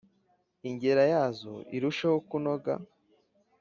ingera yazo irusheho kunoga.